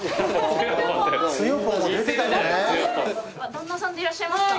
旦那さんでいらっしゃいますか？